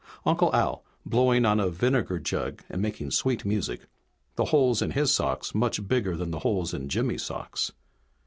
Uncle Al, blowing on a vinegar jug and making sweet music, the holes in his socks much bigger than the holes in Jimmy's socks.